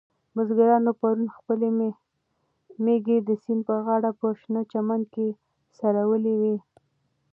بزګرانو پرون خپلې مېږې د سیند په غاړه په شنه چمن کې څرولې وې.